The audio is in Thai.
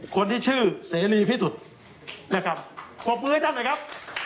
คนที่ชื่อเสรีพิสุทธิ์นะครับปรบมือให้ท่านหน่อยครับ